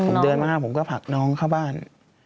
ผมเดินมาผมก็ผลักน้องเข้าบ้าน